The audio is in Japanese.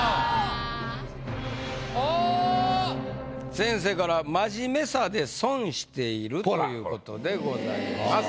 先生から「まじめさで損している」という事でございます。